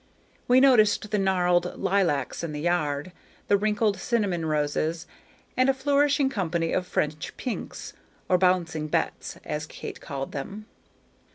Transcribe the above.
We noticed the gnarled lilacs in the yard, the wrinkled cinnamon roses, and a flourishing company of French pinks, or "bouncing Bets," as Kate called them.